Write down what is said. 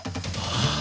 ああ。